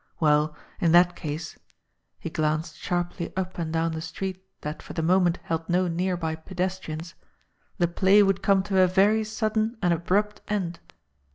Well, in that case he glanced sharply up and down the street that for the moment held no near by pedestrians the play would come to a very sudden and abrupt end